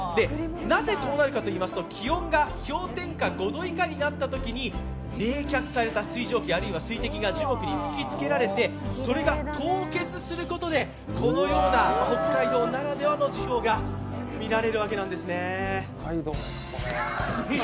なぜこうなるかといいますと気温が氷点下５度以下になったときに冷却された水蒸気あるいは水滴が樹木に吹きつけられて、それが凍結することでこのような北海道ならではの樹氷が見られるわけなんですね。